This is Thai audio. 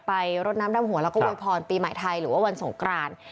รดน้ำดำหัวแล้วก็โวยพรปีใหม่ไทยหรือว่าวันสงกราน